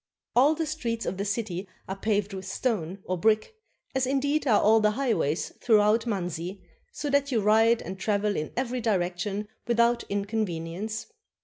All the streets of the city are paved with stone or brick, as indeed are all the highways throughout Manzi, so that you ride and travel in every direction without inconvenience.